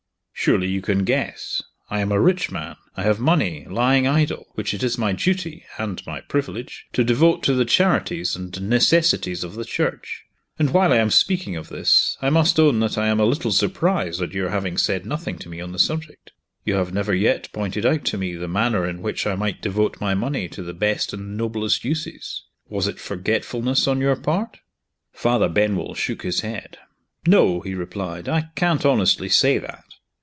"Surely you can guess? I am a rich man; I have money lying idle, which it is my duty (and my privilege) to devote to the charities and necessities of the Church. And, while I am speaking of this, I must own that I am a little surprised at your having said nothing to me on the subject. You have never yet pointed out to me the manner in which I might devote my money to the best and noblest uses. Was it forgetfulness on your part?" Father Benwell shook his head. "No," he replied; "I can't honestly say that."